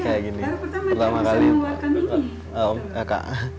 iya pertama kali bisa mengeluarkan ini